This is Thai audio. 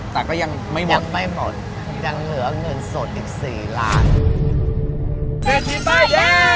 แต่ก็ยังไม่หมดไม่หมดยังเหลือเงินสดอีก๔ล้าน